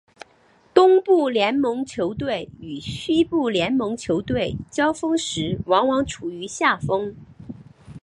东部联盟球队与西部联盟球队交锋时往往处于下风。